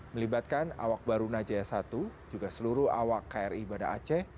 melibatkan awak barunajaya satu juga seluruh awak kri bada aceh